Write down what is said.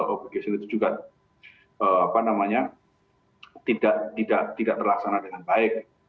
obligation itu juga tidak terlaksana dengan baik